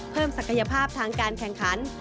ศักยภาพทางการแข่งขัน